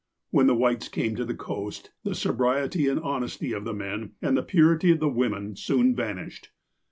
When the Whites came to the coast, the sobriety and honesty of the men, and the purity of the women, soon vanished.